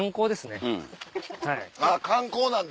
あっ観光なんだ。